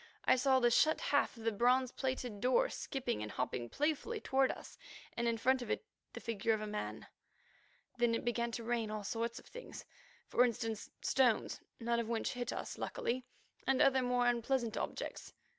I saw the shut half of the bronze plated door skipping and hopping playfully toward us, and in front of it the figure of a man. Then it began to rain all sorts of things. For instance, stones, none of which hit us, luckily, and other more unpleasant objects.